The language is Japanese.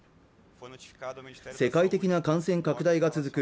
世界的な感染拡大が続く